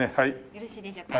よろしいでしょうか？